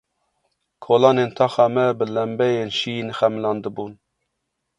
Kolanên taxa me bi lembeyên şîn xemilandibûn.